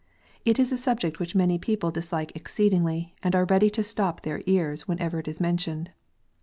It is a subject which many people dislike exceedingly, and are ready to stop their ears whenever it is mentioned.